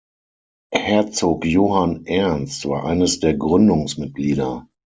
Herzog Johann Ernst war eines der Gründungsmitglieder.